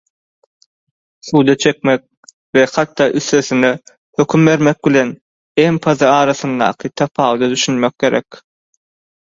Suda çekmek we hatda üstesine höküm bermek bilen "empathy" arasyndaky tapawuda düşünmek gerek.